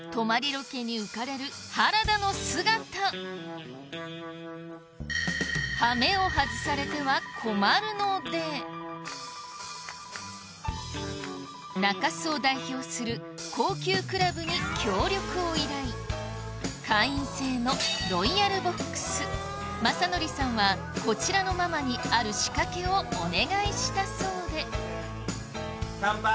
ロケにうかれる原田の姿ハメをはずされては困るので中洲を代表する高級クラブに協力を依頼会員制のＲＯＹＡＬＢＯＸまさのりさんはこちらのママにある仕掛けをお願いしたそうで乾杯。